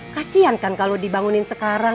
kasian kan kalau dibangunin sekarang